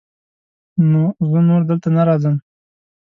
نو زه نور دلته نه راځم.